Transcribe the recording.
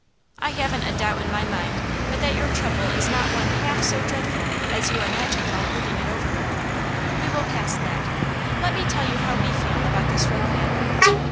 I haven't a doubt in my mind but that your trouble is not one half so dreadful as you imagine while brooding over it. We will pass that. Let me tell you how we feel about this road matter.